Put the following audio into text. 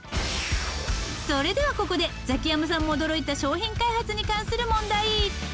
それではここでザキヤマさんも驚いた商品開発に関する問題。